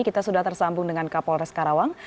kita sudah tersambung dengan kapolres karawang